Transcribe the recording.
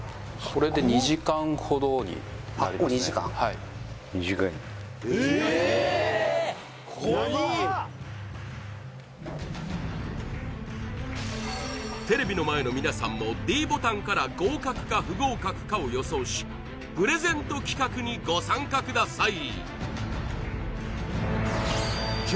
これで２時間ほどにテレビの前の皆さんもｄボタンから合格か不合格かを予想しプレゼント企画にご参加ください